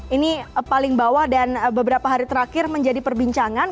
ini paling bawah dan beberapa hari terakhir menjadi perbincangan